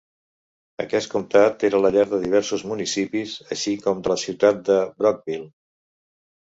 Aquest comtat era la llar de diversos municipis, així com de la ciutat de Brockville.